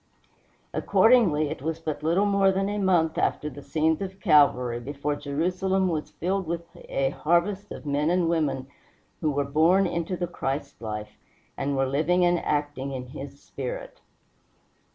Accordingly, it was but little more than a month after the scenes of Calvary before Jerusalem was filled with a harvest of men and women who were born into the Christ life, and were living and acting in his spirit.